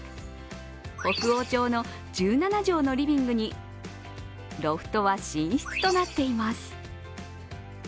北欧調の１７畳のリビングに、ロフトは寝室となっています。